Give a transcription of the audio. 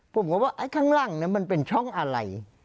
ผมก็ว่าข้างล่างนี่มันเป็นช้องอะไร